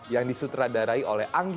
yang disutradarai oleh angga